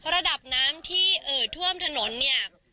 ระดับน้ำที่เอ่อท่วมถนนเนี่ย